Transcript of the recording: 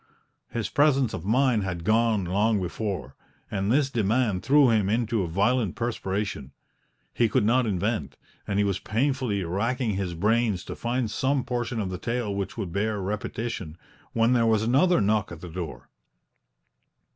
His presence of mind had gone long before, and this demand threw him into a violent perspiration; he could not invent, and he was painfully racking his brains to find some portion of the tale which would bear repetition when there was another knock at the door.